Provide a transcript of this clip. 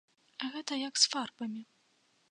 Гэта як з фарбамі.